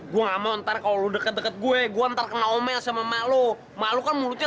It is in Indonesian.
gue ntar kalau deket deket gue gue ntar kena omel sama maklum malukan mulutnya